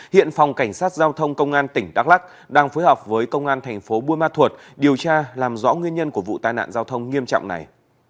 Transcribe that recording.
hiện phòng cảnh sát giao thông công an tỉnh đắk lắc đang phối hợp với công an thành phố buôn ma thuột điều tra làm rõ nguyên nhân của vụ tai nạn giao thông nghiêm trọng này